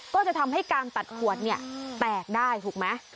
ก็จะทำให้การตัดขวดเนี่ยแตกได้ถูกไหม